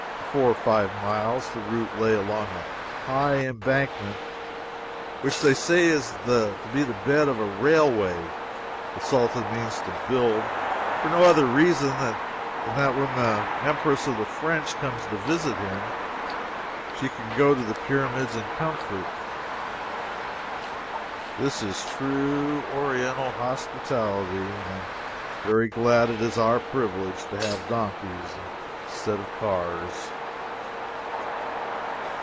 For four or five miles the route lay along a high embankment which they say is to be the bed of a railway the Sultan means to build for no other reason than that when the Empress of the French comes to visit him she can go to the Pyramids in comfort. This is true Oriental hospitality. I am very glad it is our privilege to have donkeys instead of cars.